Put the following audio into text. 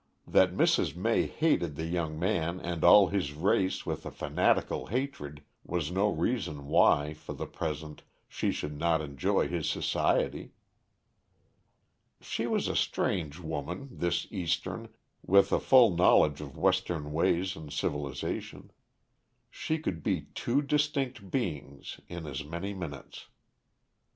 That Mrs. May hated the young man and all his race with a fanatical hatred was no reason why, for the present, she should not enjoy his society. She was a strange woman, this Eastern, with a full knowledge of Western ways and civilization. She could be two distinct beings in as many minutes.